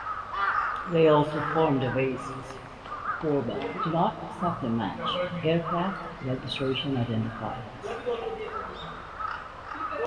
They also form the basis for, but do not exactly match, aircraft registration identifiers.